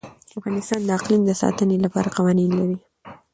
افغانستان د اقلیم د ساتنې لپاره قوانین لري.